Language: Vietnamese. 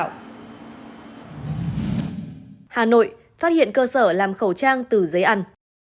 hà nội phát hiện cơ sở làm khẩu trang từ giấy ăn